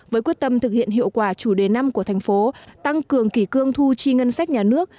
với quyết tâm thực hiện hiệu quả chủ đề năm của thành phố tăng cường kỷ cương thu chi ngân sách nhà nước